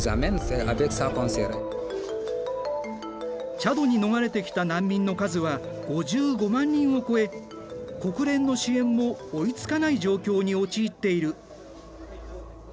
チャドに逃れてきた難民の数は５５万人を超え国連の支援も追いつかない状況に陥っている。